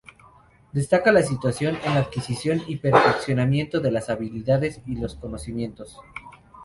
Destaca la situación en la adquisición y perfeccionamiento de las habilidades y los conocimientos.